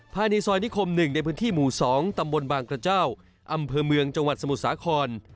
ภายในซอยนิคม๑ในพื้นที่หมู่๒ตำบลบางกระเจ้าอำเภอเมืองจังหวัดสมุทรสาคร